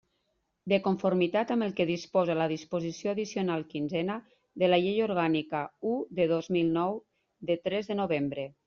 De conformitat amb el que disposa la disposició addicional quinzena de la Llei Orgànica u de dos mil nou, de tres de novembre.